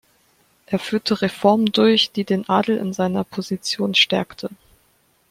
Er führte Reformen durch, die den Adel in seiner Position stärkte.